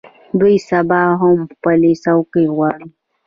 دوی سبا هم خپلې څوکۍ غواړي.